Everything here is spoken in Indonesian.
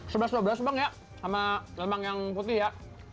sebelah sebelah semang ya sama lemang yang putih ya